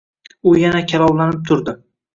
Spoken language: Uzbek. U yana kalovlanib turdi.